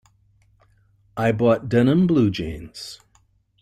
I bought denim blue jeans.